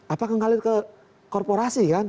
apakah ngalir ke korporasi kan